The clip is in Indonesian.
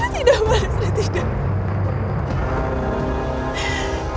tidak pak lestri tidak